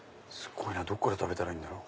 どっから食べたらいいんだろう？